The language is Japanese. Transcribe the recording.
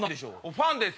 ファンです‼